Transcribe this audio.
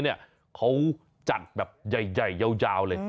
เขาจัดแบบใหญ่ยาวเลย